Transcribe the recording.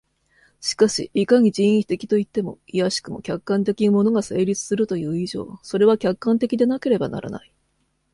しかしいかに人為的といっても、いやしくも客観的に物が成立するという以上、それは客観的でなければならない。